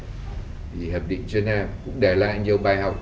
thì hiệp định geneva cũng để lại nhiều bài học